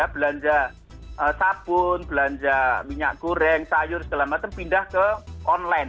belanja sabun belanja minyak goreng sayur segala macam pindah ke online